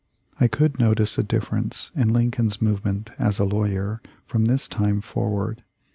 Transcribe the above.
I could notice a difference in Lincoln's movement as a lawyer from this time forward.